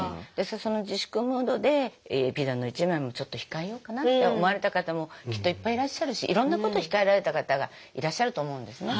その自粛ムードでピザの一枚もちょっと控えようかなって思われた方もきっといっぱいいらっしゃるしいろんなことを控えられた方がいらっしゃると思うんですね。